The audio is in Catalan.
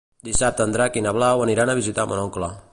Dissabte en Drac i na Blau aniran a visitar mon oncle.